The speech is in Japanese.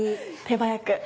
手早く。